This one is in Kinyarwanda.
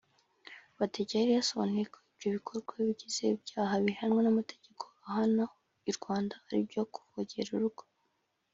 Badege yari yasobanuye ko ibyo bikorwa bigize ibyaha bihanwa n’amategeko ahana y’u Rwanda aribyo kuvogera urugo